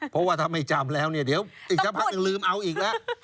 เพราะว่าถ้าไม่จำแล้วเนี่ยเดี๋ยวอีกสักพักหนึ่งลืมเอาอีกแล้ว